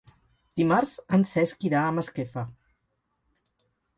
Dimarts en Cesc irà a Masquefa.